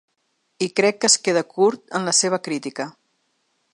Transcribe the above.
I crec que es queda curt en la seva crítica.